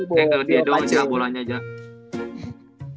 mungkin ga berhasil ya wakace